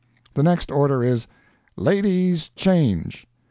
The next order is, "Ladies change."